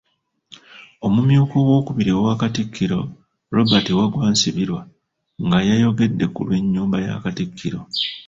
Omumyuka Owookubiri owa Katikkiro, Robert Waggwa Nsibirwa nga yayogedde ku lw'enyumba ya Katikkiro.